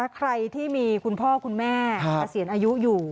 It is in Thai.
ใครที่มีคุณพ่อคุณแม่เกษียณอายุอยู่